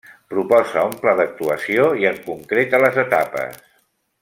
Proposa un pla d'actuació i en concreta les etapes.